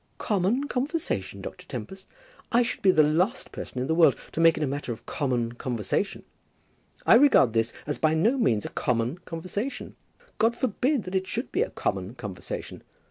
"Common conversation, Dr. Tempest! I should be the last person in the world to make it a matter of common conversation. I regard this as by no means a common conversation. God forbid that it should be a common conversation.